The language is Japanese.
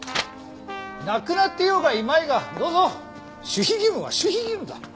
亡くなっていようがいまいがどうぞ守秘義務は守秘義務だ。